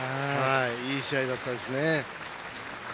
いい試合だったですね。